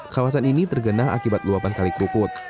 kawasan ini tergenang akibat luapan kali kerukut